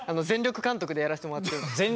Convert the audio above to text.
全力監督でやらせてもらってるんで。